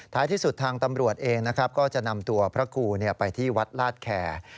ที่สุดทางตำรวจเองนะครับก็จะนำตัวพระครูไปที่วัดลาดแคร์